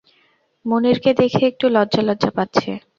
মুনিরকে দেখে একটু লজ্জালজ্জা পাচ্ছে।